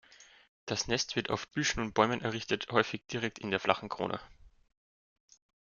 Das Nest wird auf Büschen und Bäumen errichtet, häufig direkt in der flachen Krone.